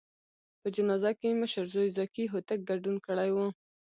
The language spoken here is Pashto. په جنازه کې یې مشر زوی ذکي هوتک ګډون کړی و.